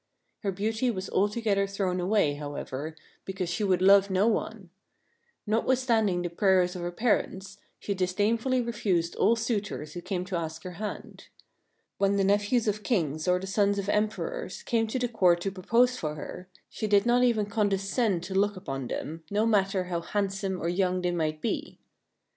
Her beauty was altogether thrown away, however, because she would love no one. Notwithstanding the prayers of her parents, she disdainfully refused all suitors who came to ask her hand. When the nephews of Kings or the sons of Emperors came to the court to propose for her, she did not even condescend to look upon them, no matter how handsome or young they might be.